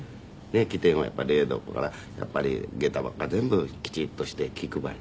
機転はやっぱり冷蔵庫から下駄箱から全部きちっとして気配り。